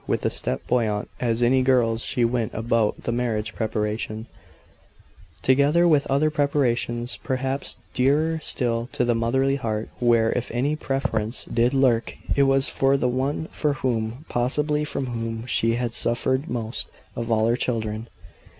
With a step buoyant as any girl's she went about the marriage preparations; together with other preparations, perhaps dearer still to the motherly heart, where, if any preference did lurk, it was for the one for whom possibly from whom she had suffered most, of all her children.